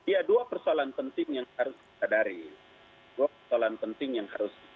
ya dua persoalan penting yang harus diadari